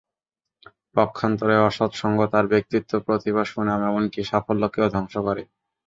পক্ষান্তরে, অসৎ সঙ্গ তার ব্যক্তিত্ব, প্রতিভা, সুনাম এমনকি সাফল্যকেও ধ্বংস করে।